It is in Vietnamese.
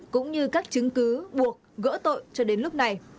cũng như các chứng cứ buộc gỡ tội cho đến lúc này